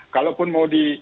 kalaupun mau di